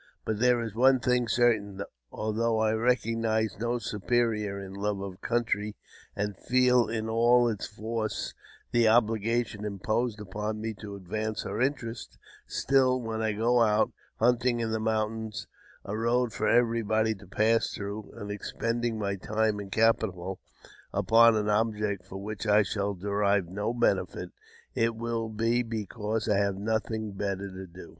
But there is one thing certain : although I recognize no superior in love of country, and feel in all its force the obligation imposed upon me to advance her interests, still, when I go out hunting in the mountains a road for everybody to pass through, and expending my time and capital upon an object from which I shall derive no benefit, it will be because I have nothing better to do.